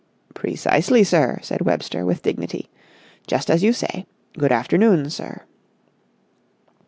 "Precisely, sir!" said Webster, with dignity. "Just as you say! Good afternoon, sir!"